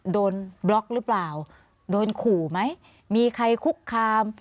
บล็อกหรือเปล่าโดนขู่ไหมมีใครคุกคาม